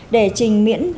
để trình miễn hoạt động